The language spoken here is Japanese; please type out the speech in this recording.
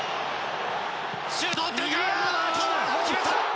シュート、決めた！